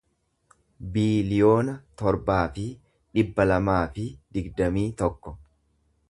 biiliyoona torbaa fi dhibba lamaa fi digdamii tokko